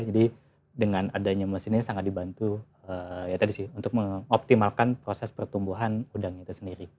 jadi dengan adanya mesin ini sangat dibantu ya tadi sih untuk mengoptimalkan proses pertumbuhan udang itu sendiri